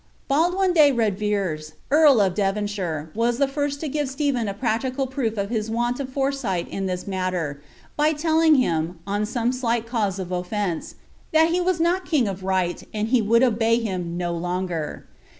Baldwin de Redvera, earl of Devonshire, was the first lo gire Su^ilwii a practical proof of his want of foresight in this tnatler, by telling linn, on some slight cause of oflence, " that he was not king of right, and U would obey him no longer."